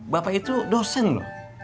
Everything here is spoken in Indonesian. bapak itu dosen loh